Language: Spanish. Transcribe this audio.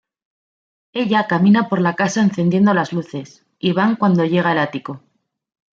Ella camina por la casa encendiendo las luces, y van cuando llega el ático.